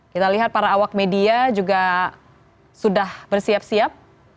kita lihat para awak media juga sudah bersiap siap